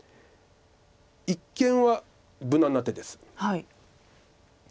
一間は無難な手です。